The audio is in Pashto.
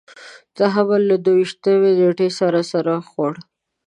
د حمل له دوه ویشتمې نېټې سره سر خوړ.